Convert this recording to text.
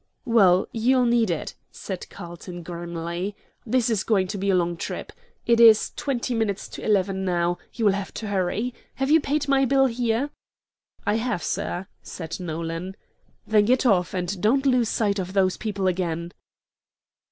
"Well, you'll need it," said Carlton, grimly. "This is going to be a long trip. It is twenty minutes to eleven now; you will have to hurry. Have you paid my bill here?" "I have, sir," said Nolan. "Then get off, and don't lose sight of those people again."